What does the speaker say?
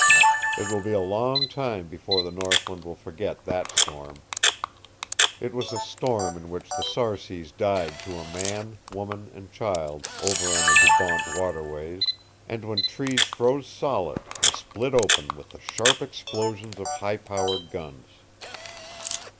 It will be a long time before the northland will forget that storm. It was a storm in which the Sarcees died to a man, woman and child over on the Dubawnt waterways, and when trees froze solid and split open with the sharp explosions of high power guns.